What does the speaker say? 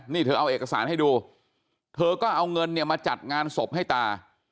นี่เธอเอาเอกสารให้ดูเธอก็เอาเงินเนี่ยมาจัดงานศพให้ตา